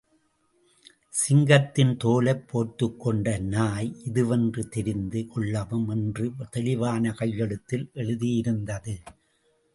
சிங்கத்தின் தோலைப் போர்த்துக்கொண்ட நாய் இதுவென்று தெரிந்து கொள்ளவும் என்று தெளிவான கையெழுத்தில் எழுதியிருந்தது.